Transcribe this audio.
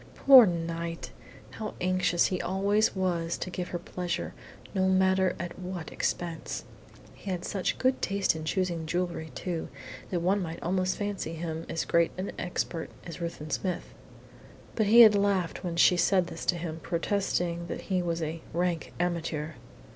Poor Knight! How anxious he always was to give her pleasure, no matter at what expense! He had such good taste in choosing jewellery, too, that one might almost fancy him as great an expert as Ruthven Smith. But he had laughed when she said this to him, protesting that he was a "rank amateur."